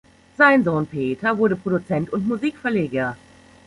Sein Sohn Peter wurde Produzent und Musikverleger.